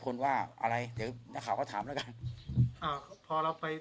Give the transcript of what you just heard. ว่าอะไรเดี๋ยวนักข่าวก็ถามแล้วกันอ่าพอเราไป